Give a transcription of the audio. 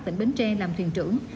tỉnh bến tre làm thuyền trưởng